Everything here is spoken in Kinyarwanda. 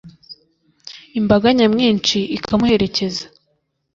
imbaga nyamwinshi ikamuherekeza